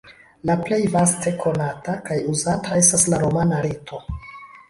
La plej vaste konata kaj uzata estas la roma rito.